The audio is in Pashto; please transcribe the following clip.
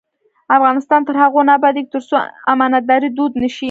افغانستان تر هغو نه ابادیږي، ترڅو امانتداري دود نشي.